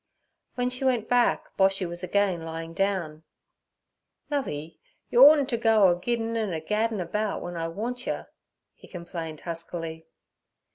When she went back, Boshy was again lying down. 'Lovey, yer ortn't t' go a giddin' an' a gaddin' about wen I want yer' he complained huskily.